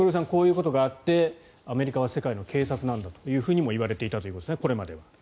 こういうことがあってアメリカは世界の警察なんだともいわれていたわけですね。